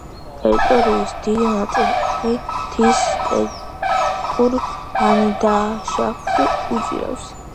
ტერიტორიის დიდი ნაწილი მთის სტეპურ ლანდშაფტს უჭირავს.